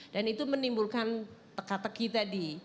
dan itu menimbulkan teka teki tadi